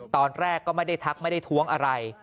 ตอนแรกก็ไม่ได้ทักไม่ได้ท้วงอะไร